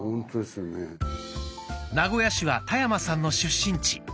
名古屋市は田山さんの出身地。